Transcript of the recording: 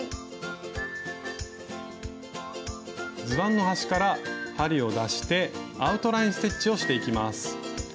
図案の端から針を出してアウトライン・ステッチをしていきます。